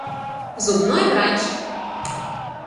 Зубной врач.